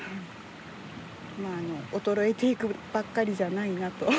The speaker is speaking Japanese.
衰えていくばっかりじゃないなと。